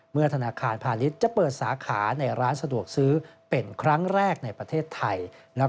ธนาคารพาณิชย์จะเปิดสาขาในร้านสะดวกซื้อเป็นครั้งแรกในประเทศไทย